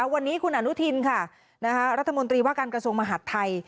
วันนี้คุณอนุทินค่ะรัฐมนตรีว่าการกระทรวงมหาดไทย